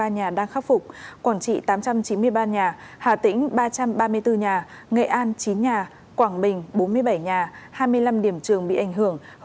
ba nhà đang khắc phục quảng trị tám trăm chín mươi ba nhà hà tĩnh ba trăm ba mươi bốn nhà nghệ an chín nhà quảng bình bốn mươi bảy nhà hai mươi năm điểm trường bị ảnh hưởng